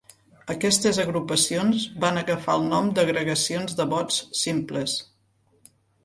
Aquestes agrupacions van agafar el nom d'agregacions de vots simples.